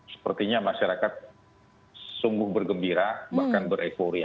sepertinya masyarakat sungguh bergembira bahkan berevoria